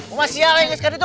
emang siapa yang dikasihan itu